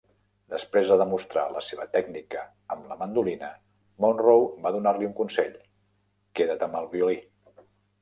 Després de demostrar la seva tècnica amb la mandolina, Monroe va donar-li un consell: "queda't amb el violí".